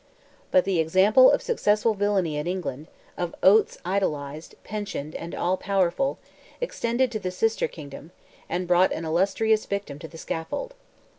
But the example of successful villainy in England, of Oates idolized, pensioned, and all powerful, extended to the sister kingdom, and brought an illustrious victim to the scaffold.